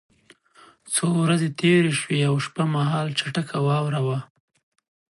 څو ورځې تېرې شوې او شپه مهال چټکه واوره وه